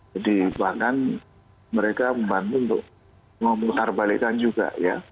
jadi bahkan mereka membantu untuk memutarbalikan juga